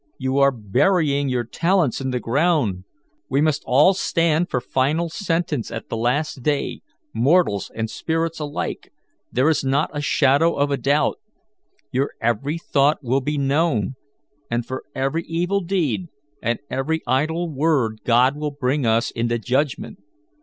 You are burying your talents in the ground. We must all stand for final sentence at the last day, mortals and spirits alike there is not a shadow of a shade of doubt. Your every thought will be known, and for every evil deed and every idle word God will bring us into judgment.